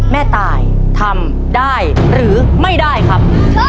แม่ตายทำได้หรือไม่ได้ครับ